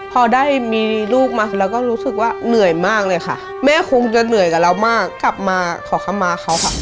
พอได้มีลูกมาเราก็รู้สึกว่าเหนื่อยมากเลยค่ะแม่คงจะเหนื่อยกับเรามากกลับมาขอคำมาเขาค่ะ